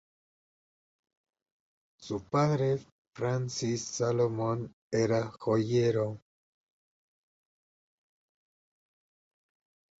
Su padre, Francis Salomon, era joyero.